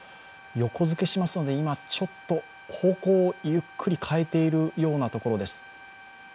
横づけしますので、今方向をゆっくり変えているようなところです。